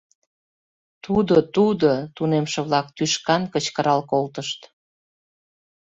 — Тудо, тудо! — тунемше-влак тӱшкан кычкырал колтышт.